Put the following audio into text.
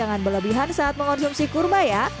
jangan berlebihan saat mengonsumsi kurma ya